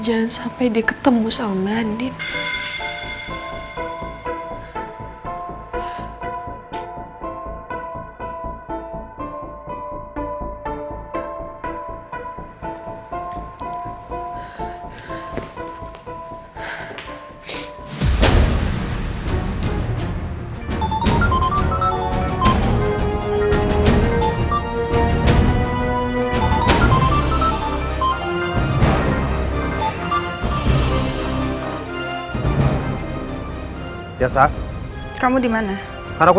andin sudah tidak ada di kampus